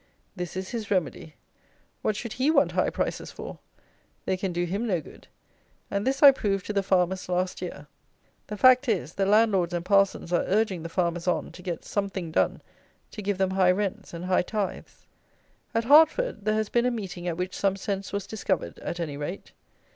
This is his remedy. What should he want high prices for? They can do him no good; and this I proved to the farmers last year. The fact is, the Landlords and Parsons are urging the farmers on to get something done to give them high rents and high tithes. At Hertford there has been a meeting at which some sense was discovered, at any rate.